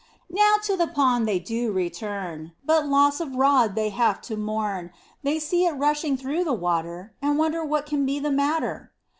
Now to the pond they do return, But loss of rod they have to mourn, They see it rushing through the water, And wonder what can be the matter.